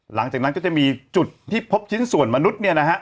หลังจากนั้นก็จะมีจุดที่พบชิ้นส่วนมนุษย์เนี่ยนะฮะ